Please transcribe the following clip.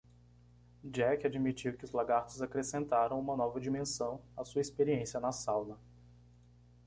Jack admitiu que os lagartos acrescentaram uma nova dimensão à sua experiência na sauna.